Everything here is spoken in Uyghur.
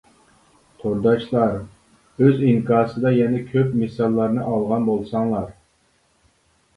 تورداشلار ئۆز ئىنكاسىدا يەنە كۆپ مىساللارنى ئالغان بولساڭلار.